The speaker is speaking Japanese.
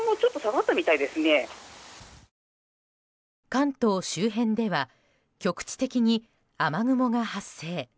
関東周辺では局地的に雨雲が発生。